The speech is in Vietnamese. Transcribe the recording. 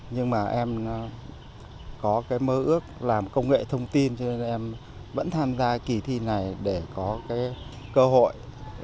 nhưng mà em có cái mơ ước làm công nghệ thông tin cho nên em vẫn tham gia kỳ thi này để có cái cơ hội